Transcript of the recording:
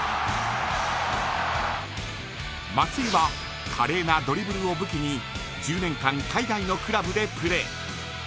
松井は華麗なドリブルを武器に１０年間海外のクラブでプレー。